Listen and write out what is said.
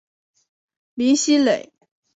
林熙蕾。